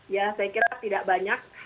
ya saya kira tidak banyak